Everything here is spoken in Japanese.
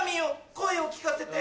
声を聞かせて。